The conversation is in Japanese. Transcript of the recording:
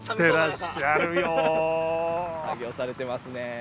作業されてますね。